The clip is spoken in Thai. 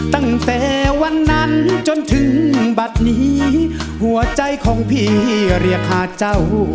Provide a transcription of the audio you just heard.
ตั้งแต่วันนั้นจนถึงบัตรนี้หัวใจของพี่เรียกหาเจ้า